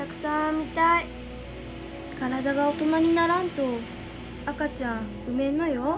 体が大人にならんと赤ちゃん産めんのよ。